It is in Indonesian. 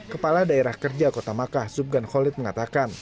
kepala daerah kerja kota makkah subgan khalid mengatakan